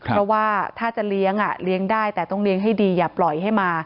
เพราะว่าถ้าจะเลี้ยงเลี้ยงได้แต่ต้องเลี้ยงให้ดีอย่าปล่อยให้มา